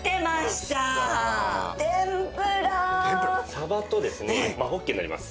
鯖とですね真ほっけになります。